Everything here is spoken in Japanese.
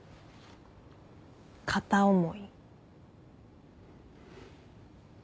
片思い。